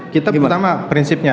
kita pertama prinsipnya